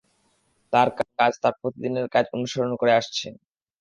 তার কাজ, তার প্রতিদিনের কাজ অনুসরণ করে আসছে।